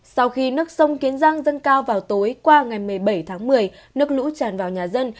sau khi nước sông kiến giang dâng cao vào tối qua ngày một mươi bảy tháng một mươi nước lũ tràn vào nhà dân